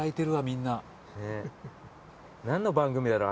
なんの番組だろう？